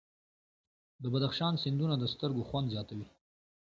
د بدخشان سیندونه د سترګو خوند زیاتوي.